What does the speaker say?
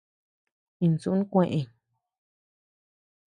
Insú kúën.